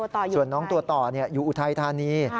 ตัวต่ออยู่ไหนส่วนน้องตัวต่ออยู่อุทัยธานี